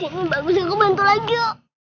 ini bagus ini akan bantu lagi